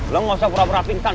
lo gak usah pura pura pingsan